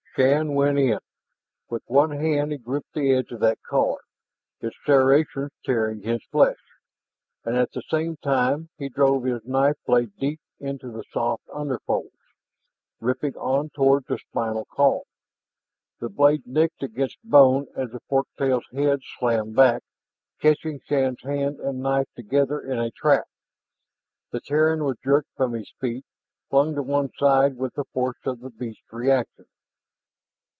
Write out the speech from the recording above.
Shann went in. With one hand he gripped the edge of that collar its serrations tearing his flesh and at the same time he drove his knife blade deep into the soft underfolds, ripping on toward the spinal column. The blade nicked against bone as the fork tail's head slammed back, catching Shann's hand and knife together in a trap. The Terran was jerked from his feet, and flung to one side with the force of the beast's reaction.